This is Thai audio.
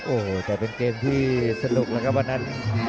โอ้โหแต่เป็นเกมที่สนุกแล้วครับวันนั้น